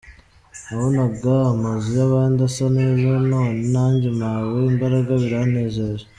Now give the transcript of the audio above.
Nabonaga amazu y’abandi asa neza none nanjye mpawe imbaraga biranejeje.